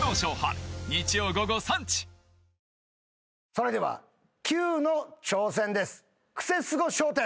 それではキュウの挑戦です。